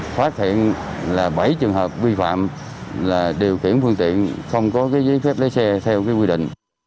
phát hiện là bảy trường hợp vi phạm là điều khiển phương tiện không có giấy phép lấy xe theo quy định